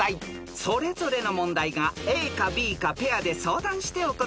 ［それぞれの問題がＡかＢかペアで相談してお答えください］